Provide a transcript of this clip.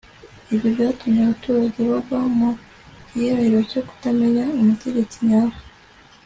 ibyo byatumye abaturage bagwa mu gihirahiro cyo kutamenya umutegetsi nyawe